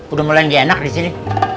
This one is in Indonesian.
udah mulai nggak enak disini